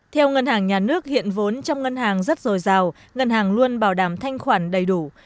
theo ngân hàng nhà nước hiện vốn trong ngân hàng rất dồi dào ngân hàng luôn bảo đảm thanh khoản đầy đủ